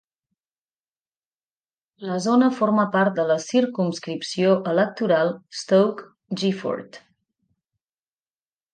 La zona forma part de la circumscripció electoral Stoke Gifford.